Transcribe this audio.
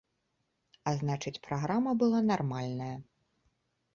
А значыць праграма была нармальная.